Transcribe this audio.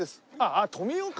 あっ富岡。